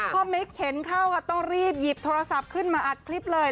มิ๊กเข็นเข้าต้องรีบหยิบโทรศัพท์ขึ้นมาอัดคลิปเลย